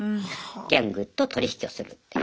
ギャングと取り引きをするっていう。